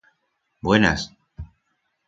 Buenas!